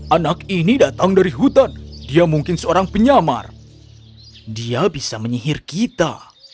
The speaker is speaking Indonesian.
anak ini datang dari hutan dia mungkin seorang penyamar dia bisa menyihir kita